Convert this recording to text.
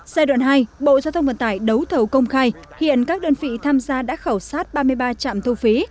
giai đoạn hai bộ giao thông vận tải đấu thầu công khai hiện các đơn vị tham gia đã khảo sát ba mươi ba trạm thu phí